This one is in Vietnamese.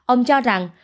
ông cho rằng